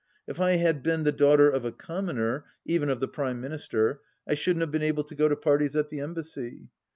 If I had been the daughter of a commoner — even of the Prime Minister — I shouldn't have been able to go to parties at the Embassy.